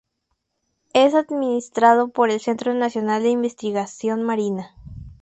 Es administrado por el Centro Nacional de Investigación Marina.